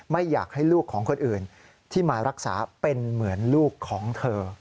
ไม่อยากให้ลูกของคนอื่นที่มารักษาเป็นเหมือนลูกของเธอ